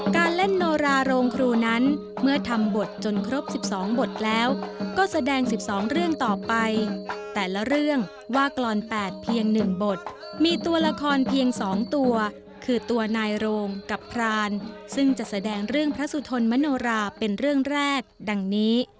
การเล่นโนราโรงครูนั้นเมื่อทำบทจนครบ๑๒บทแล้วก็แสดง๑๒เรื่องต่อไปแต่ละเรื่องว่ากรอน๘เพียง๑บทมีตัวละครเพียง๒ตัวคือตัวนายโรงกับพรานซึ่งจะแสดงเรื่องพระสุทนมโนราเป็นเรื่องแรกดังนี้